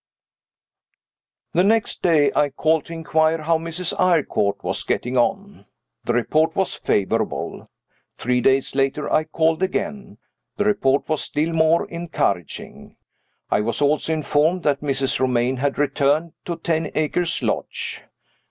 The next day I called to inquire how Mrs. Eyrecourt was getting on. The report was favorable. Three days later I called again. The report was still more encouraging. I was also informed that Mrs. Romayne had returned to Ten Acres Lodge.